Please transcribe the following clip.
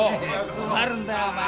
困るんだよお前なあ。